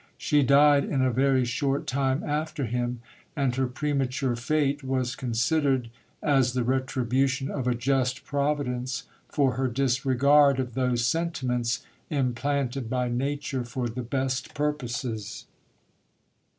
She died in a very short time after him, and her premature fate was considered as the retribution of a just providence for her disregard of those sentiments implanted by nature for the best purposes.